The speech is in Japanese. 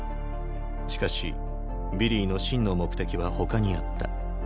しかしヴィリーの真の目的は他にあった。